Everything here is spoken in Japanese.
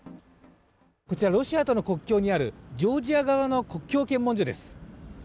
こちらロシアとの国境にあるジョージア側の国境検問所です。